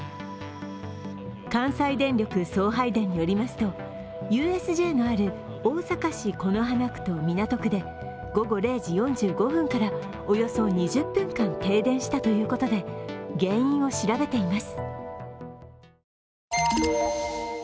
関西電力送配電によりますと、ＵＳＪのある大阪市此花区と港区で午後０時４５分からおよそ２０分間停電したということで原因を調べています。